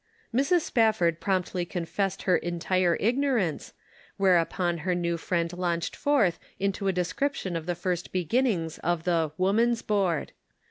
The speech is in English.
Mrs. Spafford promptly confessed her en tire ignorance, whereupon her new friend launched forth into a description of the first beginnings of the " Woman's Board."